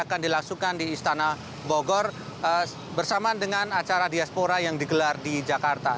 akan dilangsungkan di istana bogor bersama dengan acara diaspora yang digelar di jakarta